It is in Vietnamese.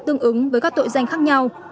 tương ứng với các tội danh khác nhau